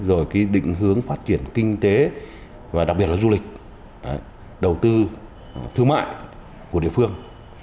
rồi cái định hướng phát triển kinh tế và đặc biệt là du lịch đầu tư thương mại của địa phương